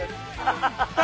・ハハハ！